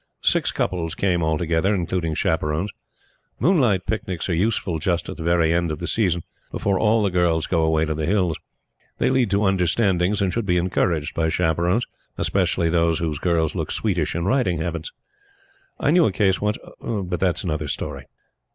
Six couples came altogether, including chaperons. Moonlight picnics are useful just at the very end of the season, before all the girls go away to the Hills. They lead to understandings, and should be encouraged by chaperones; especially those whose girls look sweetish in riding habits. I knew a case once. But that is another story.